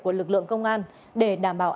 của lực lượng công an để đảm bảo